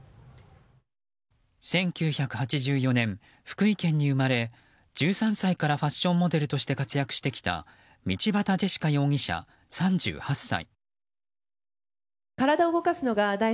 １９８４年、福井県に生まれ１３歳からファッションモデルとして活躍してきた道端ジェシカ容疑者、３８歳。